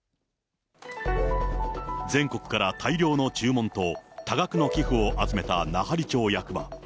全国から大量の注文と多額の寄付を集めた奈半利町役場。